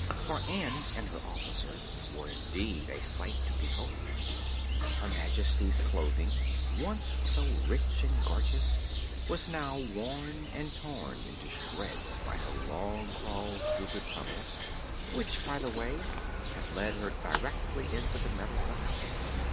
For Ann and her officers were indeed a sight to behold. Her Majesty's clothing, once so rich and gorgeous, was now worn and torn into shreds by her long crawl through the tunnel, which, by the way, had led her directly into the Metal Forest.